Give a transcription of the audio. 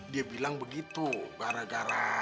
dia bilang begitu gara gara